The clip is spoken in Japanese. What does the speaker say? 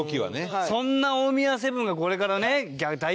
そんな大宮セブンがこれからね大逆転を。